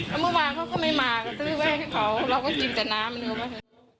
แล้วเมื่อวานเขาก็ไม่มาเราก็จินแต่น้ำ